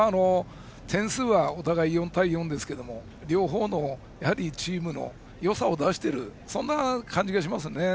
点数はお互いに４対４ですけれども両方のチームのよさを出しているそんな感じがします。